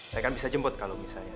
saya kan bisa jemput kalau bisa ya